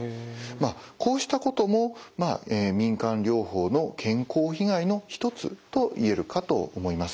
まあこうしたことも民間療法の健康被害の一つと言えるかと思います。